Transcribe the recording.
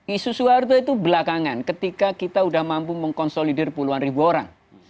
isu soeharto itu belakangan ketika kita sudah mampu mengkonsolidir puluhan ribu orang